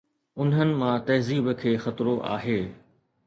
انهن مان تهذيب کي خطرو آهي